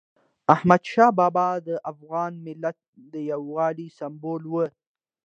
احمدشاه بابا د افغان ملت د یووالي سمبول و.